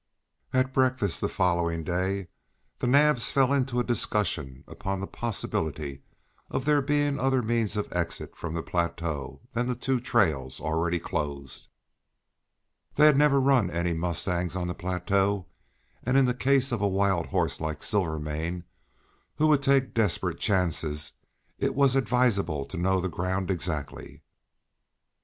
At breakfast the following day the Naabs fell into a discussion upon the possibility of there being other means of exit from the plateau than the two trails already closed. They had never run any mustangs on the plateau, and in the case of a wild horse like Silvermane, who would take desperate chances, it was advisable to know the ground exactly.